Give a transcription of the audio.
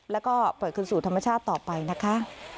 แล้วก็เปิดคืนสู่ธรรมชาติต่อไปนะคะ